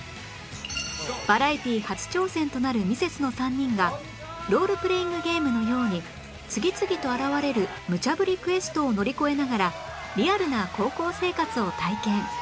バラエティ初挑戦となるミセスの３人がロールプレイングゲームのように次々と現れるむちゃぶりクエストを乗り越えながらリアルな高校生活を体験！